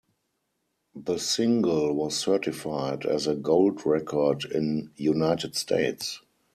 The single was certified as a Gold Record in United States.